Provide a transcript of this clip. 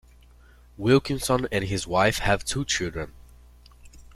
Wilkinson and his wife have two children.